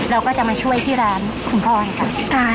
เราก็จะมาช่วยที่ร้านคุณพ่อค่ะ